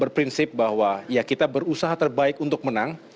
berprinsip bahwa ya kita berusaha terbaik untuk menang